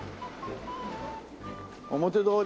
表通り